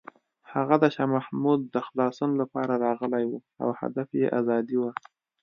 هغه د شاه محمود د خلاصون لپاره راغلی و او هدف یې ازادي وه.